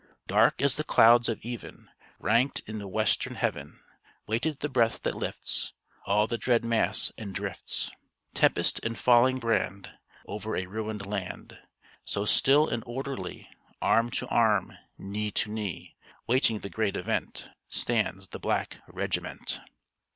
Dark as the clouds of even, Ranked in the western heaven, Waiting the breath that lifts All the dread mass, and drifts Tempest and falling brand Over a ruined land; So still and orderly, Arm to arm, knee to knee, Waiting the great event, Stands the black regiment.